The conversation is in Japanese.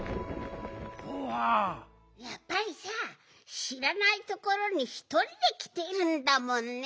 やっぱりさしらないところにひとりできてるんだもんね。